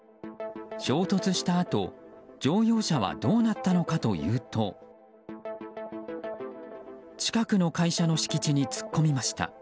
衝突したあと乗用車はどうなったのかというと近くの会社の敷地に突っ込みました。